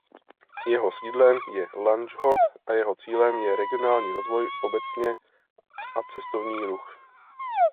Jeho sídlem je Lanžhot a jeho cílem je regionální rozvoj obecně a cestovní ruch.